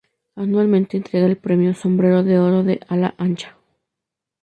Anualmente entrega el premio ‘Sombrero de oro de ala ancha’